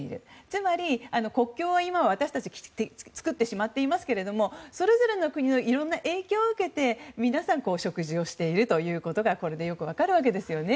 つまり、国境を今私たちは作ってしまっていますがそれぞれの国のいろんな影響を受けて皆さん、食事をしているということがこれでよく分かるわけですよね。